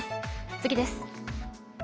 次です。